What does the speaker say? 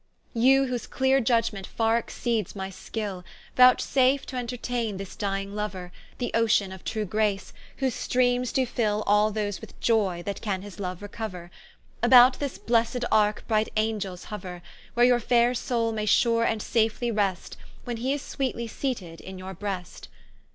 You whose cleare Iudgement farre exceeds my skil, Vouchsafe to entertaine this dying louer, The Ocean of true grace, whose streames doe fill All those with Ioy, that can his loue recouer; About this blessed Arke bright Angels houer: Where your faire soule may sure and safely rest, When he is sweetly seated in your brest.